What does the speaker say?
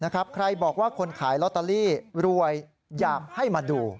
ใครบอกว่าคนขายลอตเตอรี่รวยอยากให้มาดู